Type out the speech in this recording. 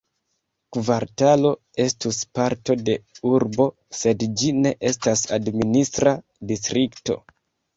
Kvartalo estus parto de urbo, sed ĝi ne estas administra distrikto.